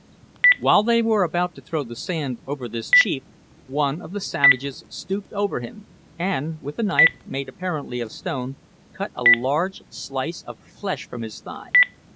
While they were about to throw the sand over this chief, one of the savages stooped over him, and with a knife, made apparently of stone, cut a large slice of flesh from his thigh.